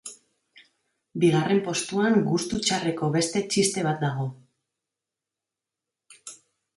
Bigarren postuan gustu txarreko beste txiste bat dago.